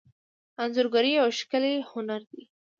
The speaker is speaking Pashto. انځورګري یو ښکلی هنر دی.